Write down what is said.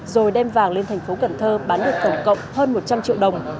rồi đem vàng lên thành phố cần thơ bán được tổng cộng hơn một trăm linh triệu đồng